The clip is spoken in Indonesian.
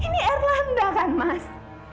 ini erlanda kan mas